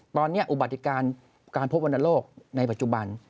ตอนนี้อุบัติการการพบวรรณโรคในปัจจุบัน